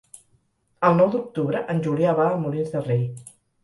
El nou d'octubre en Julià va a Molins de Rei.